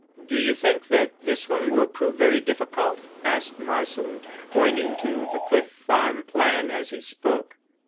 "Do you think that this one will prove very difficult?" asked Marsland, pointing to the Cliff Farm plan as he spoke.